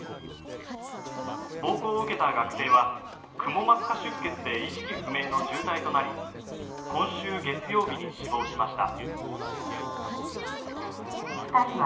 暴行を受けた学生はくも膜下出血で意識不明の重体となり今週月曜日に死亡しました。